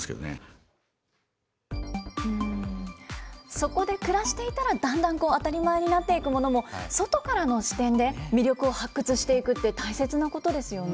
そこで暮らしていたらだんだん当たり前になっていくものも、外からの視点で魅力を発掘していくって大切なことですよね。